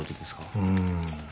うん。